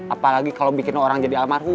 apalagi kalau bikin orang jadi almarhum